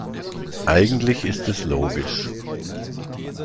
Eigentlich ist es logisch.